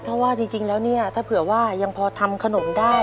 ถ้าว่าจริงแล้วเนี่ยถ้าเผื่อว่ายังพอทำขนมได้